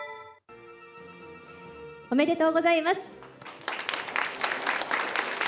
おめでとうございます。